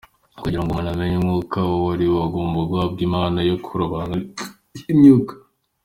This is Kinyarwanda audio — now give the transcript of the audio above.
Kugira ngo umuntu amenye umwuka uwo ari wo agomba guhabwa impano yo kurobanura imyuka.